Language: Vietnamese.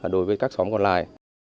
đối với các xóm còn lại